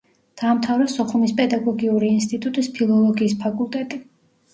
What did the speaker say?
დაამთავრა სოხუმის პედაგოგიური ინსტიტუტის ფილოლოგიის ფაკულტეტი.